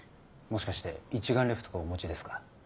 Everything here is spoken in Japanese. もしかして一眼レフとかお持ちですか？